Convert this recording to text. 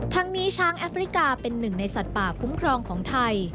ทั้งนี้ช้างแอฟริกาเป็นหนึ่งในสัตว์ป่าคุ้มครองของไทย